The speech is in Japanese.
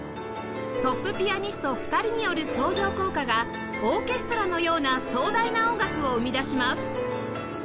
トップピアニスト２人による相乗効果がオーケストラのような壮大な音楽を生み出します